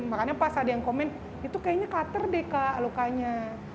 makanya pas ada yang komen itu kayaknya kater deh kak lukanya